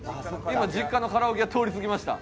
今実家のカラオケ屋通り過ぎました。